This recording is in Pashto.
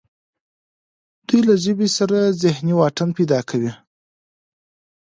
دوی له ژبې سره ذهني واټن پیدا کوي